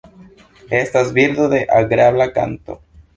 Estas birdo de agrabla kanto.